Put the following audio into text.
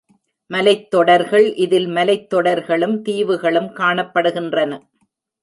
மலைத் தொடர்கள் இதில் மலைத்தொடர்களும் தீவுகளும் காணப் படுகின்றன.